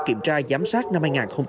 kiểm tra giám sát năm hai nghìn một mươi chín